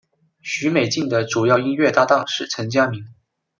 许美静的主要音乐搭档是陈佳明。